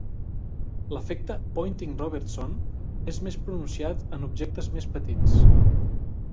L'efecte Poynting-Robertson és més pronunciat en objectes més petits.